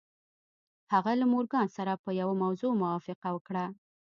هغه له مورګان سره په یوه موضوع موافقه وکړه